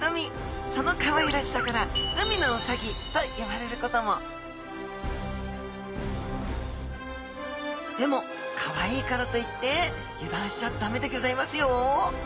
そのかわいらしさから海のウサギと呼ばれることもでもかわいいからといって油断しちゃダメでギョざいますよ。